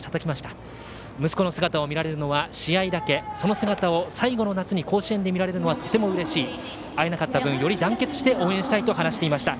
息子の姿を見られるのは試合だけ、その姿を最後の夏に甲子園で見られるのはとてもうれしい会えなかった分より団結して応援したいと話していました。